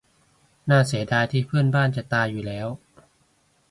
น่าเสียดายที่เพื่อนบ้านจะตายอยู่แล้ว